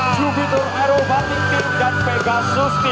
jupiter aerobatic team dan pegasus team